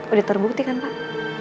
udah terbuktikan pak